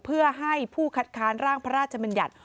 เพื่อให้ผู้คัดค้านร่างพระราชมัญญัติ